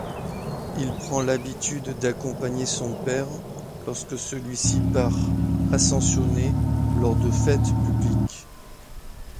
Il prend l’habitude d’accompagner son père lorsque celui-ci part ascensionner lors de fêtes publiques.